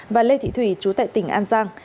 và lê thị thủy trú tại tỉnh an giang